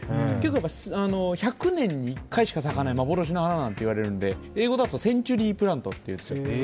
１００年に１回しか咲かない幻の花なんて言われるので、英語だとセンチュリー・プラントと言われるんですよ。